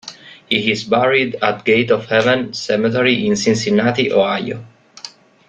He is buried at Gate of Heaven Cemetery in Cincinnati, Ohio.